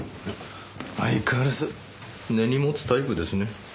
相変わらず根に持つタイプですね。